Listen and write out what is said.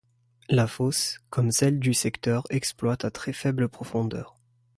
La fosse, comme celles du secteur, exploite à très faible profondeur.